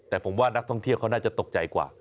แต่ผมว่านักท่องเที่ยวเขาน่าจะตกใจกว่า